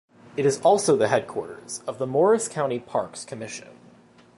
It is also the headquarters of the Morris County Parks Commission.